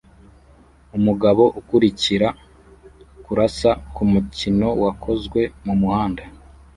Umugabo ukurikira kurasa kumukino wakozwe mumuhanda